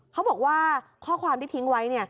เขาบอกว่าข้อความที่ทิ้งไว้